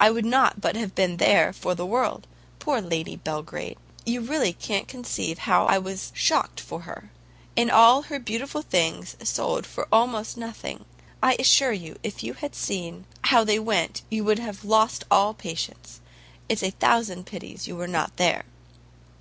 I would not but have been there for the world. Poor Lady Belgrade! you really can't conceive how I was shocked for her. All her beautiful things sold for almost nothing. I assure you, if you had seen how they went, you would have lost all patience. It's a thousand pities you were not there."